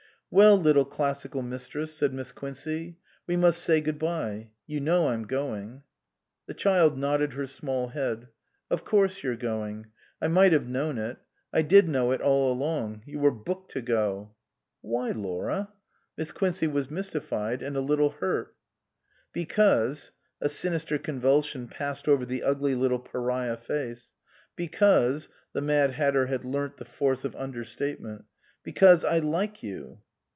" Well, little Classical Mistress," said Miss Quincey, "we must say good bye. You know I'm going." The child nodded her small head. "Of course you're going. I might have known it. I did know it all along. You were booked to go." " Why Laura ?" Miss Quincey was mystified and a little hurt. " Because " a sinister convulsion passed over the ugly little pariah face " because " the Mad Hatter had learnt the force of under statement "because I like you."